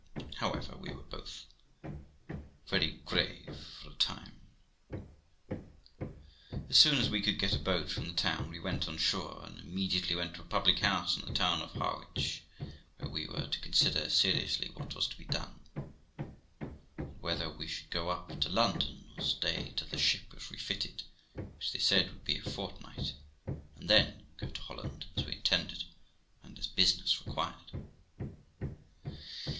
However, we were both very grave for a time. As soon as we could get a boat from the town we went on shore, and immediately went to a public house in the town of Harwich, where we were to consider seriously what was to be done, and whether we should go up to London or stay till the ship was refitted, which, they said, would be a fortnight, and then go for Holland, as we intended, and as business required.